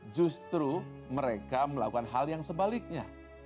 justru mereka melakukan hal yang sebaliknya